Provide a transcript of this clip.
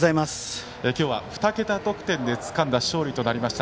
今日は２桁得点でつかんだ勝利となりました。